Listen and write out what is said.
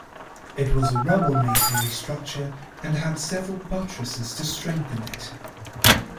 It was a rubble-masonry structure and had several buttresses to strengthen it.